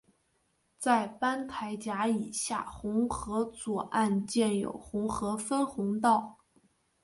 在班台闸以下洪河左岸建有洪河分洪道。